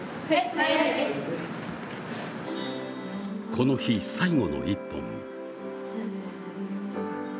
この日、最後の１本。